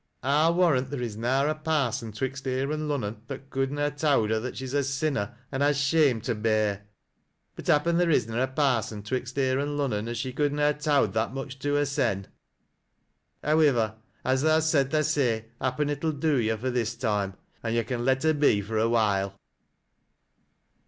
I'll warrant theer is na a par sou 'twixt here an' Lunnon, that could na ha' towd her tl.at she's a sinner an' has shame to bear; but happen theer isna a parson 'twixt here an' Lunnon as she c(ruld na ha' towd that much to, hersen. ] Howivver, as tha has said thy say, happen it '11 do yo' fur this toime, an' yo' car let her be for a while."